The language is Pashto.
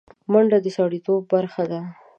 منډه د سړيتوب برخه ده